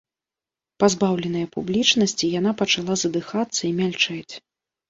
Пазбаўленая публічнасці, яна пачала задыхацца і мяльчэць.